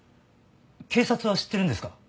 警察は知ってるんですか？